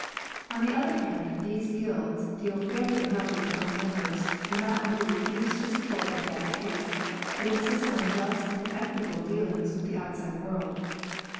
On the other hand, these guilds deal fairly enough with their own members, and not only refuse to support a bad case, but insist on just and equitable dealings wdth the outside world.